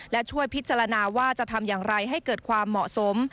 และช่วยพิจารณาว่าจะทำอย่างไรให้เกิดความเหมาะสม